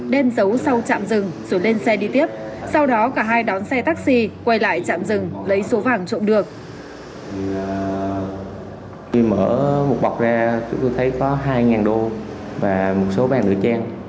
đem dấu sau trạm dừng rồi lên xe đi tiếp sau đó cả hai đón xe taxi quay lại trạm dừng lấy số vàng trộm được